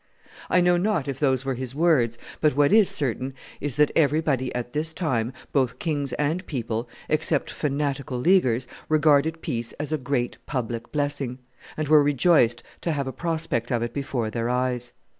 I know not if those were his own words; but what is certain is, that everybody at this time, both kings and people, except fanatical Leaguers, regarded peace as a great public blessing, and were rejoiced to have a prospect of it before their eyes.